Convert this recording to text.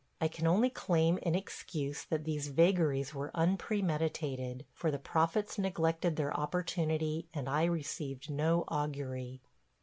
I can only claim in excuse that these vagaries were unpremeditated, for the prophets neglected their opportunity and I received no augury.